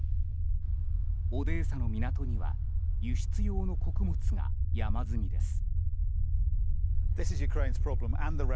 オデーサの港には輸出用の穀物が山積みです。